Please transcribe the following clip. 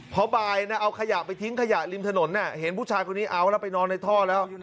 พอบ่ายนะเอาขยะไปทิ้งขยะริมถนนเห็นผู้ชายคนนี้เอาแล้วไปนอนในท่อแล้ว